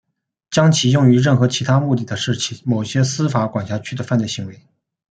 将其用于任何其他目的是某些司法管辖区的犯罪行为。